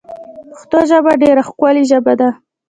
پشتو ژبه ډېره ښکولي ژبه ده